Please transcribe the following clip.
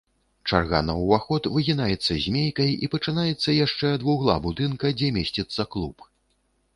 Чарга на ўваход выгінаецца змейкай і пачынаецца яшчэ ад вугла будынка, дзе месціцца клуб.